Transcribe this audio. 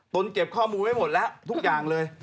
นเก็บข้อมูลไว้หมดแล้วทุกอย่างเลย